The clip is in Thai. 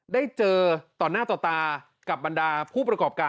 ได้เจอต่อหน้าต่อตากับบรรดาผู้ประกอบการ